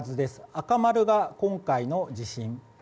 赤丸が今回の地震。